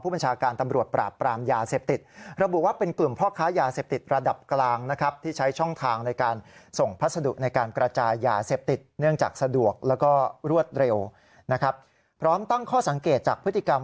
พร้อมตั้งข้อสังเกตุจากพฤติกรรม